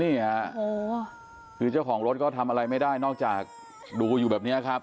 นี่ค่ะคือเจ้าของรถก็ทำอะไรไม่ได้นอกจากดูอยู่แบบนี้ครับ